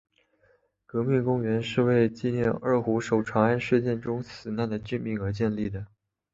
革命公园是为了纪念二虎守长安事件中死难的军民而建立的。